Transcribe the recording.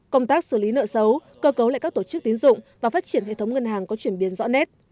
công tác xử lý nợ xấu cơ cấu lại các tổ chức tín dụng và phát triển hệ thống ngân hàng có chuyển biến rõ nét